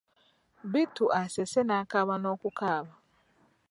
Bittu asese n'akaaba n'okukaaba.